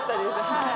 はい。